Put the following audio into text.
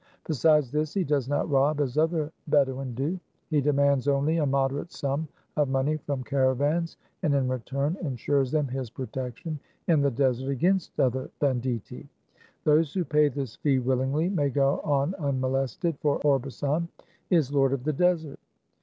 Besides this, he does not rob as other Bedouin do. He demands only a moderate sum of money from caravans, and in return insures them his protec tion in the desert against other banditti. Those who pay this fee willingly, may go on unmo lested ; for Orbasan is lord of the desert."